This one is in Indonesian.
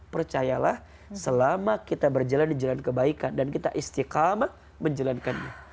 percayalah selama kita berjalan di jalan kebaikan dan kita istiqamah menjalankannya